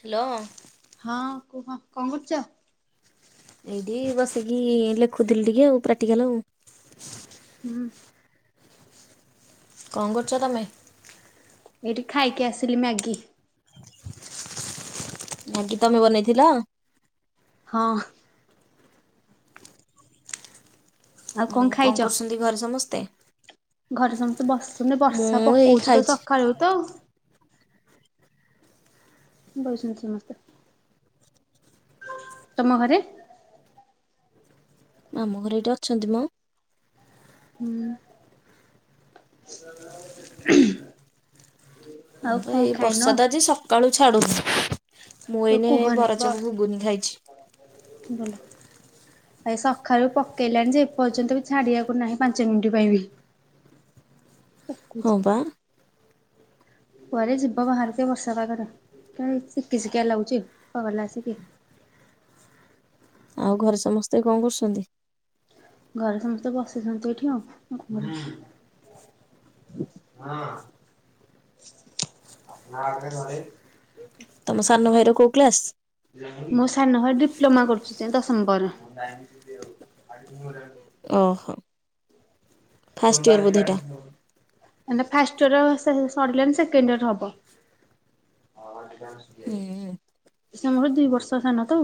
Hello. ହଁ କୁହ, କଣ କରୁଛ? ଏଇଠି ବସିକି-ଇ-ଇ ଲେଖୁଥିଲି ଟିକେ ଆଉ ପ୍ରାଟିକାଲ ଆଉ। ହୁଁ। କଣ କରୁଛ ତମେ? ଏଇଠି ଖାଇକି ଆସିଲି ମ୍ୟାଗି। ମ୍ୟାଗି ତମେ ବନେଇଥିଲ? ହଁ। ଆଉ ହୁଁ ଖାଇଛ? କଣ କରୁଛନ୍ତି ଘରେ ସମସ୍ତେ? ଘରେ ସମସ୍ତେ ବସିଛନ୍ତି ବର୍ଷା ମୁଁ ଏଇ ପକଉଛି ତ ଖାଇଛି ସକାଳୁ ତ ବଇଛନ୍ତି ସମସ୍ତେ। ତମ ଘରେ? ଆମ ଘରେ ଏଇଠି ଅଛନ୍ତି ମ। ହୁଁ। ହଁ ଆଉ ତ କଣ ଏଇ ଖାଇନ? ବର୍ଷା ତ ଆଜି ସକାଳୁ ଛାଡ଼ୁଛି, ମୁଁ ଏଇନେ ଏଇ କୁହନି ବସ୍ ବରାଚପ ଘୁଗୁନି ଖାଇଛି ଭଲ ଆ ସକାଳୁ ବି ପକେଇଲାଣି ଯେ, ଏପର୍ଯ୍ୟନ୍ତ ବି ଛାଡିବାକୁ ନାହିଁ ପାଞ୍ଚ ମିନିଟ ପାଇଁ ବି [unintelligible] ପକଉଛି। ହଁ ପା। କୁଆଡେ ଯିବ ବାହରିଚ ଏଇ ବର୍ଷା ପାଗରେ, ଖାଲି ଶିଖି ଶିଖିଆ ଲାଗୁଚି, [unintelligible] ଆସିକି ଆଉ ଘରେ ସମସ୍ତେ କଣ କରୁଛନ୍ତି? ଘରେ ସମସ୍ତେ ବସିଛନ୍ତି ଏଠି ଆଉ ହଁ, ନା [unintelligible] ଘରେ ତମ ସାନ ଭାଇର କଉ କ୍ଲାସ? ମୋ ସାନ ଭାଇ ଡିପ୍ଲୋମା କରୁଚି ଦଶମ ପରେ। ଓହୋ ଫାଷ୍ଟ ଇୟର ସୋମବାର ବୋଧେ ସିକି ଏଇଟା। ଆସିଥିବ। ମାନେ ଫାଷ୍ଟ ଇଅର ସବୁ ସରିଲାଣି, ସେକଣ୍ଡ ଇଅର ହବ। ହୁଁ। ସେ ମର ଦିଇ ବର୍ଷ ସାନ ତ ଆ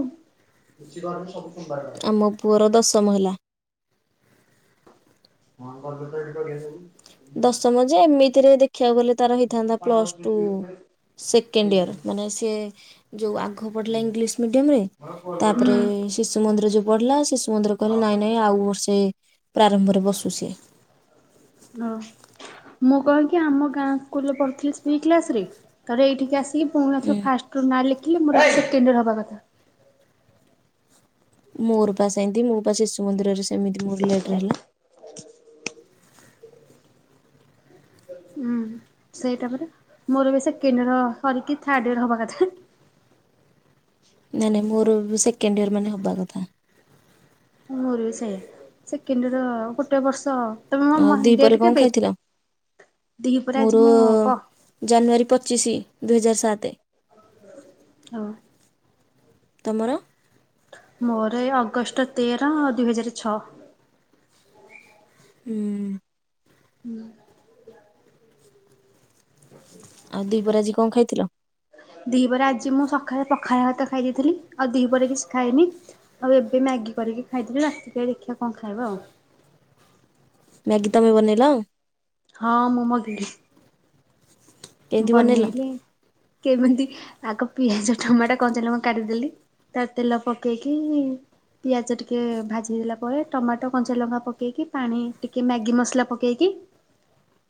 ଆମ ପୁଅର ଦଶମ ହେଲା। [unintelligible] ଦଶମ ଯେ, ଏମିତିରେ ଦେଖିବାକୁ ଗଲେ ତାର ହେଇଥାନ୍ତା ପ୍ଲସ ଟୁ ସେକେଣ୍ଡ ଇୟର, ମାନେ ସିଏ ଯୋଉ ଆଗ ପଢିଲା ଇଂଲିଶ ମିଡିୟମ ରେ, ହଁ। ତାପରେ ଶିଶୁ ମନ୍ଦିର ଯୋଉ ପଢିଲା ମନ୍ଦିର କହିଲେ ନାଇଁ ନାଇଁ ଆଉ ବର୍ଷେ ପ୍ରାରମ୍ଭରେ ବସୁ ସିଏ। ହଁ। ମୁଁ କଣକି ଆମ ଗାଁ ସ୍କୁଲରେ ପଢିଥିଲି ଥ୍ରୀ କ୍ଲାସରେ, ତାପରେ ଏଇଠିକି ଆସିକି ପୁଣିଥରେ ଫାଷ୍ଟ ନାଁ ଲେଖିଲେ ମୋର ସେକେଣ୍ଡ ଇଅର ହବା କଥା। ମୋର ପା ସେମିତି ମୋ ପା ଶିଶୁ ମନ୍ଦିରରେ ସେମିତି ମୋର ଲେଟରେ ହେଲା। ହୁଁ ସେଇଟା ପରା, ମୋର ବି ସେକେଣ୍ଡ ଇଅର ସରିକି ଥାର୍ଡ ଇଅର ହବା କଥା। ନାଇଁ ନାଇଁ, ମୋର ଏବେ ସେକେଣ୍ଡ ଇୟର୍ ମାନେ ହବା କଥା। ମୋର ବି ସେଇଆ, ସେକେଣ୍ଡ ଇଅର ଗୋଟେ ବର୍ଷ ତମେ ଆଉ [unintelligible] ଦ୍ୱିପହରେ ଡେଟ କଣ କେବେ? ଖାଇଥିଲ ଦିପହରେ ମୋର ଆଜି ମୁଁ, କ? ଜାନୁଆରୀ ପଚିଶି ଦୁଇହଜାର ସାତେ। ହଁ। ତମର? ମୋର ଏଇ ଅଗଷ୍ଟ ତେର ଦୁଇ ହଜାର ଛଅ। ହୁଁ ହୁଁ ଆଉ ଦିପହରେ ଆଜି କଣ ଖାଇଥିଲ? ଦିପହରେ ଆଜି ମୁଁ ସକାଳେ ପଖାଳ ଭାତ ଖାଇ ଦେଇଥିଲି, ଆଉ ଦି ପହରେ କିଛି ଖାଇନି। ଆଉ ଏବେ ମ୍ୟାଗି କରିକି ଖାଇଥିଲୁ, ରାତିକି ଦେଖିଆ କଣ ଖାଇବା ଆଉ। ମ୍ୟାଗି ତମେ ବନେଇଲ? ହଁ ମୁଁ ମଗେଇଲି। କେମିତି ବନେଇଲ ବନେଇଲି। କେମିତି, ଆଗ ପିଆଜ ଟମାଟୋ, କଞ୍ଚାଲଙ୍କା କାଟି ଦେଲି ତାର ତେଲ ପକେଇକି ପିଆଜ ଟିକେ ଭାଜି ହେଲା ପରେ, ଟମାଟୋ କଞ୍ଚାଲଙ୍କା ପକେଇକି, ପାଣି ଟିକେ ମ୍ୟାଗି ମସଲା ପକାଇକି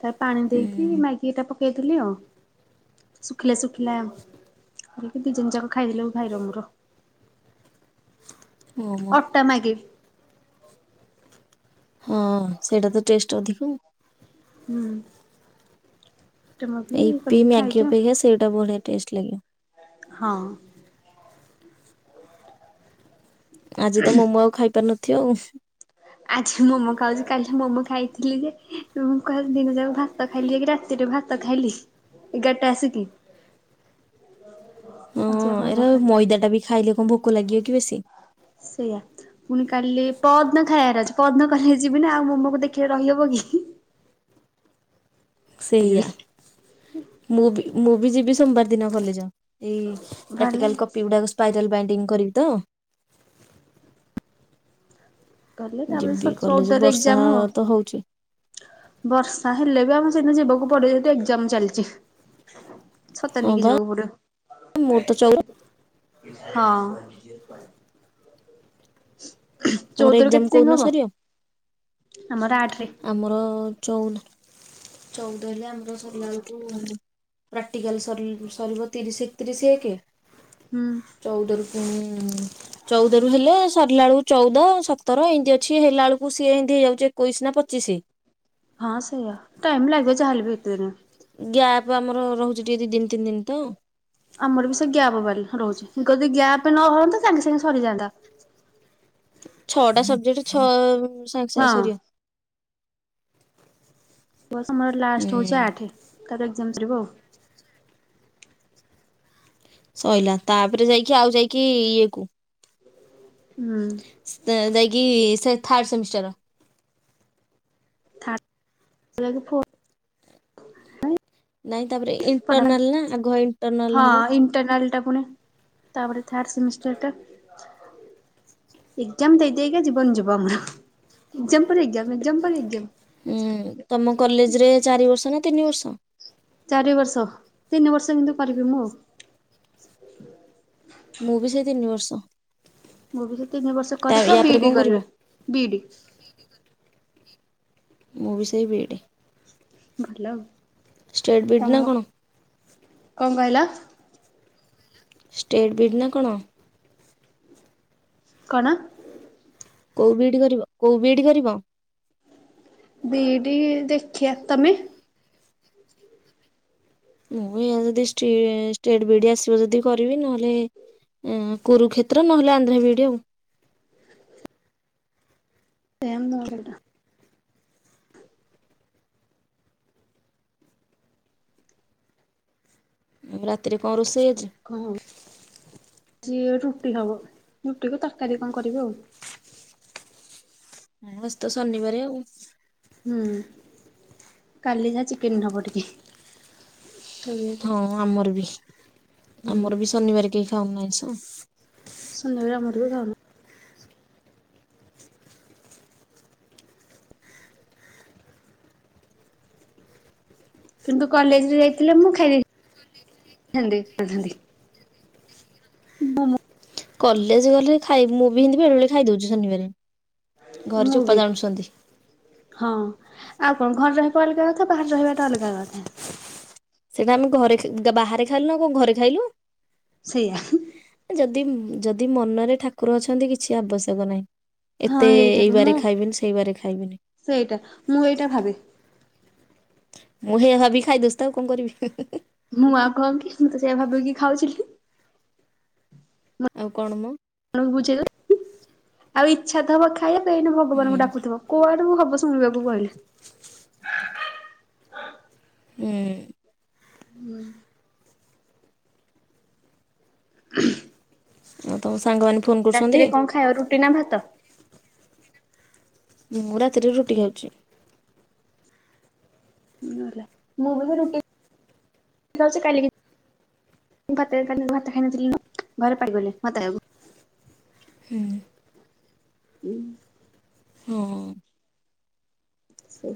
ତା ପାଣି ଦେଇକି ହୁଁ ମାଗି ଏଇଟା ପକେଇଦେଲି ଆଉ। ଶୁଖିଲା ଶୁଖିଲା ଆଣିକି ଦି ଜଣ ଯାକ ଖାଇଦେଲୁ, ଭାଇର ମୋର। ମୋମୋ ଅଟା ମାଗି। ହଁ ସେଇଟା ତ ଟେଷ୍ଟ ଅଧିକ। ହୁଁ ଅଟା ମ୍ୟାଗି ୟୁପି, କରିକି ମ୍ୟାଗି ଖାଇଚୁ। ଅପେକ୍ଷା ସେଇଟା ବଢିଆ ଟେଷ୍ଟ ଲାଗିବ। ହଁ ଆଜି ତ ମୋମୋ ଆଉ ଖାଇପାରୁିନଥିବ ଆଉ। ଆଜି ମୋମୋ ଖାଉଚି କାଲି ମୋମୋ ଖାଇଥିଲି ଯେ ଉ ଖାଲି ଦିନ ଯାକ ଭା ତ ଖାଇଲି ଯାଇକି ରାତିରେ ଭାତ ଖାଇଲି ଏଗାରଟା ଆସିକି। ହଁ ଆଜି ଆଉ ମୋମୋ ଏରା ଖା ମଇଦା ଟା ବି ଖାଇଲେ କଣ ଭୋକ ଲାଗିବ କି ବେଶୀ? ସେଇଆ। ପୁଣି କାଲି ପଅରଦିନ ଖାଇବାର ଅଛି ପଅରଦିନ କଲେଜ ଯିବି ନା ଆଉ ମୋମ କୁ ଦେଖିଲେ ରହେବ କି? ଖାଇଦେବି ସେଇଆ, ମୁଁ ବି ମୁଁ ବି ଯିବି ସୋମବାର ଦିନ କଲେଜ। ଏଇ ଭଲ ପ୍ରାକ୍ଟିକାଲ କପି ଗୁଡାକ ସ୍ପାଇରାଲ ବାଇଣ୍ଡିଙ୍ଗ କରିବି ତ। କଲେ ତାପରେ ସ ଯିବି କଲେଜ ଚଉଦରେ ବର୍ଷା ଏକ୍ଜାମ। ତ ହଉଛି ବର୍ଷା ହେଲେ ବି ଆମେ ସେଦିନ ଯିବାକୁ ପଡିବ ଯେହେତୁ ଏଜାମ ଚାଲିଚି। ଛତା ହଁ ନେଇକି ବା ଯିବାକୁ ପଡିବ ମୋର ତ ଚଉଦ [unintelligible] ହଁ। ଝିପ ତମର ଚଉଦ ରୁ ଏକ୍ଜାମ କେତେ ଜାଙ୍କେ କୋଉଦିନ ହବ? ସରିବ ଆମର ଆଠ ରେ। ଆମର ଚଉଦ ଚଉଦ ହେଲେ ଆମର ସରଲାଆଳକୁୁ ପ୍ରାକ୍ଟିକାଲ ସରିବ ତିରିଶ ଏକତିରିଶ ଏକେ ହୁଁ। ଚଉଦ ର ପୁଣି ଚଉଦ ରୁ ହେଲେ ସରିଲା ଏଳୁକୁ ଚଉଦ ସତର ଏମିତି ଅଛି ହେଲା ବେଳକୁ ସିଏ ଏମିତି ହେଇଯାଉଚି ଏକୋଇଶି ନା ପଚିଶି। ହଁ ସେଇଆ ଟାଇମ ଲାଗିବ ଯା ହେଲେ ବି ଏତେଦିନ। ଗ୍ୟାପ୍ ଆମର ରହୁଚି ଟିକେ ଦି ଦିନି ତିନି ଦିନ ତ। ଆମର ବି ସେ ଗ୍ୟାପ୍ ବା ରହୁଚି ଯଦି ଗ୍ୟାପ ନ ହଅନ୍ତା ସାଙ୍ଗେ ସାଙ୍ଗେ ସରିଯାଆନ୍ତା। ଛଅଟା ସବଜେକ୍ଟ ଛଅ ସାଙ୍ଗେ ସାଙ୍ଗେ ହଁ ସରିବ। ବସ୍ ଆମର ଲାଷ୍ଟ ହଉଚି ହୁଁ ଆଠ ତା ପରେ ଏଜାମ ସରିବ ଆଉ। ସଇଲା ତାପରେ ଯାଇକି ଆଉ ଯାଇକି ଇଏ କୁ ହୁଁ। ଯାଇକି ସେ ଥାର୍ଡ଼ ସେମିଷ୍ଟାର। ଥାଡ ହେଲାକି ଫୋର୍। ନାଇଁ ତାପରେ ଇଣ୍ଟରନାଲ ନା ଆଗ [unintelligible] ଇଣ୍ଟରନାଲ ହଁ ହବ ଇଣ୍ଟରନାଲଟା ପୁଣି। ତାପରେ ଥାର୍ଡ ସେମିଷ୍ଟର ଟା। ଏଗଜାମ ଦେଇ ଦେଇକା ଜୀବନ ଯିବ ଆମର ଏଗଜାମ ପରେ ଏଗଜାମ ଏଗଜାମ ପରେ ଏଗଜାମ। ହୁଁ ତମ କଲେଜ ରେ ଚାରି ବର୍ଷ ନା ତିନି ବର୍ଷ? ଚାରି ବର୍ଷ ତିନି ବର୍ଷ କିନ୍ତୁ କରିବି ମୁଁ ଆଉ। ମୁଁ ବି ସେଇ ତିନି ବର୍ଷ। ମୁଁ ବି ସେ ତିନି ବର୍ଷ ତା କରିକି ୟା ବି ପରେ ଇ କଣ ଡି କରିବ? କରିବି ବି ଇ ଡି। ମୁଁ ବି ସେଇ ବି ଇ ଡି। ଭଲ ଆଉ। ଷ୍ଟେଡ଼ ବି ଇ ଡି ନା ତମ କଣ? କଣ କହିଲ? ଷ୍ଟେଡ୍ ବି ଇ ଡ ନା କଣ? କଣ? କୋଉ ବି ଇ ଡି କରିବ କୋଉ ବି ଇ ଡି କରିବ? ବି ଇ ଡି ଦେଖିଆ। ତମେ? ମୁଁ ଯଦି ଷ୍ଟି ଷ୍ଟେଟ ବି ଡି ଆସିବ ଯଦି କରିବି ନହେଲେ ଏଁ କୁରୁକ୍ଷେତ୍ର ନହେଲେ ଆନ୍ଧ୍ରା ବି ଇ ଡି ଆଉ। [unintelligible] ରାତିରେ କଣ ରୋଷେଇ ଆଜି? ହଁ ସିଏ ରୁଟି ହବ ରୁଟିକୁୁ ତରକାରୀ କଣ କରିବି ଆଉ? ହଁ ଆଜି ତ ଶନିିବାରେ ଆଉ। ହୁଁ କାଲି ଯାହା ଚିକେନ ହବ ଟିକେ। ହଁ ହୁଁ ଆମର ବି ଆମର ବି ଶନିବାରେ କେହି ଖାଉନୁ ଆଇଁଷ ଆଉ ଶନିବାରେ ଆମର ବି ଖାଉନୁ। କିନ୍ତୁ କଲେଜରେ ଯାଇଥିଲେ ମୁଁ ଖାଇ ଦେଇଥାନ୍ତି ତଥାପି। କଲେଜ ଗଲେ ଖାଇ ମୁଁ ବି ହେମିତି ବେଳେ ବେଳେ ଖାଇଦଉଛି ଶନିବାରେ। ଘରେ ମୁଁ ଚୋପା ବି। ଜାଣୁଛନ୍ତି। ହଁ ଆଉ କଣ ଘରେ ରହିବା ଅଲଗା କଥା ବାହାରେ ରହିବାଟା ଅଲଗା କଥା। ସେଟା ଆମେ ଘରେ ବାହାରେ ଖାଇଲୁ ନା କଣ ଘରେ ଖାଇଲୁ? ସେଇଆ। ଯଦି ଯଦି ମନରେ ଠାକୁର ଅଛନ୍ତି କିଛି ଆବଶ୍ୟକ ନାହିଁ। ହଁ ଏତେ ଏଇଟା ଏଇ ବି ବାରେ ମୁଁ ଖାଇବିନି ସେଇ ବାରେ ଖାଇବିନି। ସେଇଟା ମୁଁ ଏଇଟା ଭାବେ ମୁଁ ହେଇଆ ଭାବିକି ଖାଇ ଦଉଛି ତ ଆଉ କଣ କରିବି? ମୁଁ ଆଉ କଣ କି ମୁଁ ତ ସେଇଆ ଭାବିକି ଖାଉଛି। ଆଉ କଣ ମ? ଆଣ ବୁଝେଇଲା ଆଉ ଇଛା ଥବ ଖାଇବା ପାଇଁ ଭଗବାନଙ୍କୁ ଡାକୁଥିବ। କୁଆଡୁ ହବ ଶୁଣିବାକୁ କହିଲେ। ହୁଁ। ହୁଁ। ଆଉ ତମ ସାଙ୍ଗମାନେ ଫୋନ୍ କରୁଛନ୍ତି। ରାତିରେ କଣ ଖାଇବ ରୁଟି ନା ଭାତ? ମୁଁ ରାତିରେ ରୁଟି ଖାଉଛି। ହୁଁ। ମୁଁ ରୁଟି ଖାଉଛି କାଲି ମୁଁ ବାରଟାରେ ଭାତ ଭାତ ଖାଇ ନଥିଲି ଲୋ ଘରେ ପାଟିକଲେ ଭାତ ଖାଇବାକୁ। ହୁଁ। ହୁଁ। ହଁ। ଆ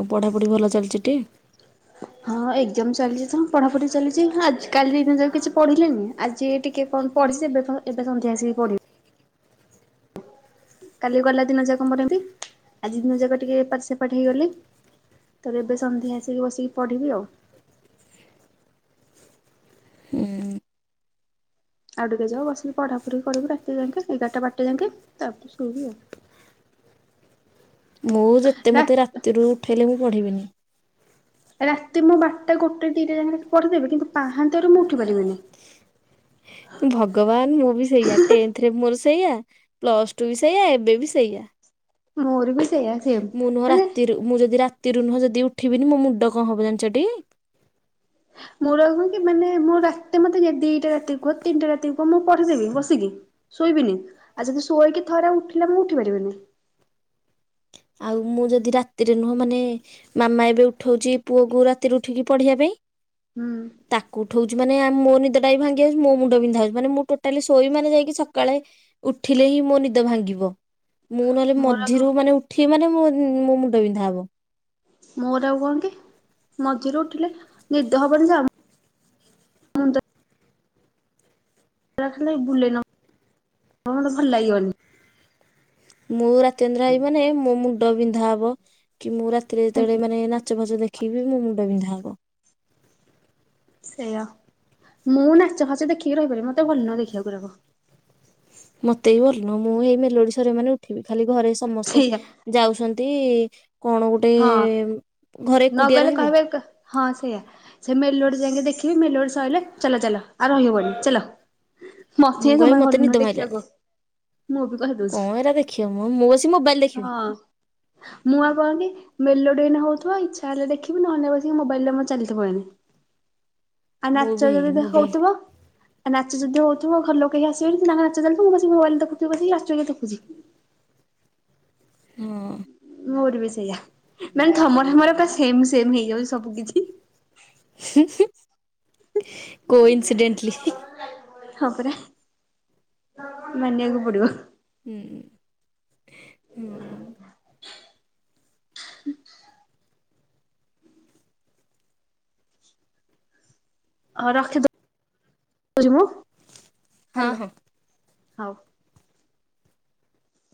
ଆଉ ପଢ଼ାପଢ଼ି ଭଲ ଚାଲିଛି ଟି? ହଁ ଏକ୍ଜାମ ଚାଲିଛି ତ ପଢାପଢି ଚାଲିଛି ଆ କାଲି ଦିନ ଯାକ କିଛି ପଢିଲିନି ଆଜି ଟିକେ, କଣ ପଢି ଏ ଏବେ ସନ୍ଧ୍ୟା ଆସିକି ପଢିବି। କାଲି ଗଲା ଦିନ ଯାକ ଏମିତି ମୋର ଆଜି ଦିନ ଯାକ ଟିକେ ଏପାଟ ସେପାଟ ହେଇଗଲି। ତ ଏବେ ସନ୍ଧ୍ୟା ଆସିକି ବସିକି ପଢ଼ିବି ଆଉ ହୁଁ। ଆଉ ଟିକେ ଯାଉ ବସିକିପଢାପଢି କରିବୁ ରାତି ଯାକେ ଏଗାରଟା ବାରଟା ଯାକି ତାପରେ ଶୋଇବି ଆଉ ମୁଁ ଯେତେ ରା ମୋତେ ରାତିରୁ ଉଠାଇଲେ ମୁଁ ପଢ଼ିବିନି। ରାତି ମୁଁ ବାରଟା ଗୋଟେ ଦିଟା ଯାକେ ପଢ଼ିଦେବି କିନ୍ତୁ ପାହାନ୍ତାରୁ ମୁଁ ଉଠି ପାରିବିନି। ଭଗବାନ ମୁଁ ବି ସେଇଆ ଟେନ୍ଥରେ ମୋର ସେଇଆ ପ୍ଲସ୍ ଟୁ ବି ସେଇଆ ଏବେ ବି ସେଇଆ। ମୋର ବି ସେଇଆ। ସେମ୍ ମୁଁ ନୁହଁ ମାନେ ରାତିରୁ ମୁଁ ଯଦି ରାତିରୁ ନୁହଁ ଯଦି ଉଠିବିନି ମୋ ମୁଣ୍ଡ କଣ ହବ ଜାଣିଛ ଟି? ମୋର କ କି ମାନେ ମୋ ରାତି ମତେ ଦିଟା ରାତି କୁହ ତିନଟା ରାତି କୁହ ମୁଁ ପଢିଦେବି ବସିକି। ଶୋଇବିନି ଆଉ ଯଦି ଶୋଇକି ଥରେ ଉଠିଲା ମୁଁ ଉଠି ପାରିବିନି। ଆଉ ମୁଁ ଯଦି ରାତିରେ ନୁହଁ ମାନେ ମାମା ଏବେ ଉଠଉଛି ପୁଅକୁ ରାତିରୁ ଉଠିକି ପଢିବା ପାଇଁ। ହୁଁ। ତାକୁ ଉଠଉଛି ମାନେ ମୋ ନିଦଟା ବି ଭାଙ୍ଗି ଯାଉଛି ମୋ ମୁଣ୍ଡ ବିନ୍ଧାହଉଛି ମୁଁ ଟୋଟାଲି ସୋଇବି ମାନୋ ଯାଇକି ସକାଳେ ଉଠିଲେ ହିଁ ମୋ ନିଦ ଭାଙ୍ଗିବ। ମୁଁ ନହେଲେ ମୋର ଆଉ ମଝିରୁ ମାନେ ଉଠିବି ମାନେ ମୋ ମୁଣ୍ଡ ବିନ୍ଧା ହବ। ମୋର ଆଉ କଣ କି ମଝିରେ ଉଠିଲେ ନିଦ ହବନି ତ ଏରା ଖାଲି ବୁଲେଇ ନବ ମୋର ତ ଭଲ ଲାଗିବନି। ମୁଁ ରାତି ଅନିନ୍ଦ୍ରା ହେବି ମାନେ ମୋ ମୁଣ୍ଡ ବିନ୍ଧା ହବ କି ମୁଁ ରା ତିରେ ଯେତେ ବେଳେ ମାନେ ନାଚ ଫାଚ ଦେଖିବି ମୁଁ ମୁଣ୍ଡ ବିନ୍ଧା ହବ। ସେଆ ମୁଁ ନାଚ ଫାଚ ଦେଖିକି ରହପାରିବି ମତେ ଭଲ ନୁହେଁ ଦେଖିବାକୁ ଏରାକ। ମତେ ବି ଭଲ ନୁହଁ ମୁଁ ଏଇ ମେଲୋଡି ସରିବ ମାନେ ଉଠିବି ଖାଲି ଘରେ ସମସ୍ତେ। ସେଇଆ ଯାଉଛନ୍ତି କଣ ଗୋଟେ ହଁ। ଘରେ ନ ଏକୁଟିଆ ଗଲେ ରହିବି। କହିବେ ହଁ ସେଇଆ। ସେ ମେଲୋଡି ଯାଇକି ଦେଖିବି ମେଲୋଡି ସଇଲେ ଚାଲ ଚାଲ ଆଉ ରହିହବନି ଚାଲ। ମତେ ମୁଁ ବି ଯମା କହିବି ଭଲ ମତେ ନିଦ ନୁହେଁ ମାଇଲାଣି ଦେଖିବାକୁ। ମୁଁ ବି କହି ଦଉଛି କଣ ଏରା ଦେଖିବ ମ ମୁଁ ବସି ମୋବାଇଲ ଦେଖିବି ହଁ ମୁଁ ଆଉ କଣକି? ମେଲୋଡି ଏଇନା ହଉଥିବ ଇଛା ହେଲେ ଦେଖିବି ନହଲେ ନା ବସିକି ମୋବାଇଲେ ମୋର ଚାଲିଥିବ ଏଣେ। ଆଉ ମୁଁ ନାଚ ବି ହେଇ ଯଦି ମୋବାଇଲ ହଉଥିବ। ଆ ନାଚ ଯଦି ହଉଥିବ ଘର ଲୋକ କେହି ଆସିବେନି କି ତାଙ୍କ ନାଚ ଚାଲିଥିବ ମୁଁ ବସିକି ମୋବାଇଲ ଦେଖୁଥିବି ବସିକି ନାଚ କିଏ ଦେଖୁଛିି। ହୁଁ। ମୋର ବି ସେଇଆ ମାନେ ତମରିମୋର ତ ସେମ୍ ସେମ୍‌ ହେଇଯାଉଛି ସବୁ କିଛି। ହୁଁ ହୁଁ। ହଁ ପରା ମାନିବାକୁ ପଡିବ। ହୁଁ ହୁଁ। ହଁ ରଖି ଦୋଉଚି ମୁଁ ହଁ ହ୍ୟାଲୋ ହଁ। ହଉ।